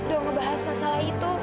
udah ngebahas masalah itu